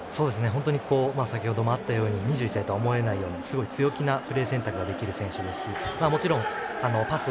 本当に先程もあったように２１歳とは思えないようなすごい強気なプレー選択ができる選手ですしもちろん、パス、